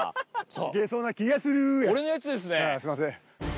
すいません。